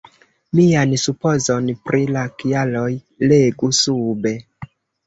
Mian supozon pri la kialoj legu sube.